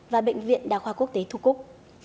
và bệnh viện đa khoa quốc tế thu cúc